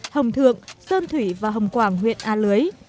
hồng thượng sơn thủy và hồng quảng huyện a lưới